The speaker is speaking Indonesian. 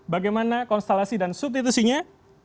bagaimana konstelasi dan substitusinya